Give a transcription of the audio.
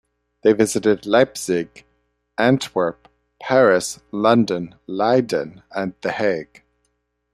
They visited Leipzig, Antwerp, Paris, London, Leiden and The Hague.